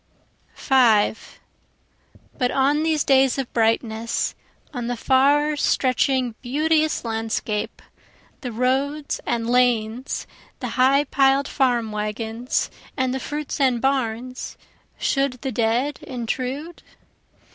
5 But on these days of brightness, On the far stretching beauteous landscape, the roads and lanes the high piled farm wagons, and the fruits and barns, Should the dead intrude?